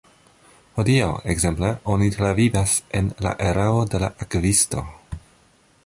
Hodiaŭ, ekzemple, oni travivas en la erao de la Akvisto.